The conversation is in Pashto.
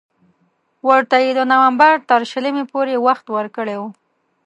ورته یې د نومبر تر شلمې پورې وخت ورکړی وو.